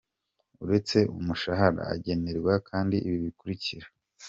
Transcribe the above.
Uretse umushahara, agenerwa kandi ibi bikurikira:.